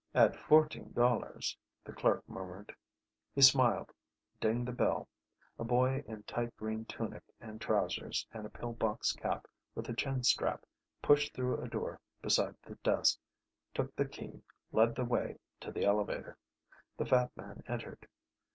"... at fourteen dollars," the clerk murmured. He smiled, dinged the bell. A boy in tight green tunic and trousers and a pillbox cap with a chin strap pushed through a door beside the desk, took the key, led the way to the elevator. The fat man entered.